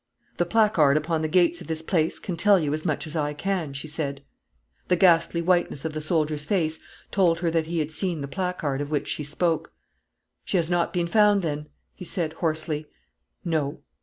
"The placard upon the gates of this place can tell you as much as I can," she said. The ghastly whiteness of the soldier's face told her that he had seen the placard of which she spoke. "She has not been found, then?" he said, hoarsely. "No."